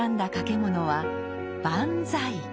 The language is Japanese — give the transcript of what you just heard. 物は「万歳」。